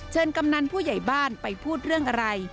กำนันผู้ใหญ่บ้านไปพูดเรื่องอะไร